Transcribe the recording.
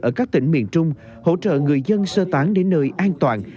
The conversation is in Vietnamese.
ở các tỉnh miền trung hỗ trợ người dân sơ tán đến nơi an toàn